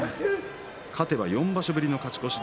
勝てば４場所ぶりの勝ち越し。